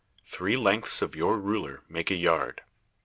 Three lengths of your ruler make a yard.